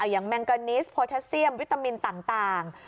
แมงกานิสโพแทสเซียมวิตามินต่าง